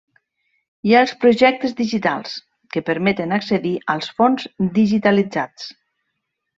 Hi ha els Projectes Digitals, que permeten accedir als fons digitalitzats.